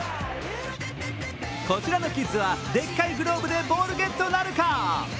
こちらのキッズはでっかいグローブでボールゲットなるか。